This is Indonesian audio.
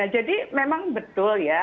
jadi memang betul ya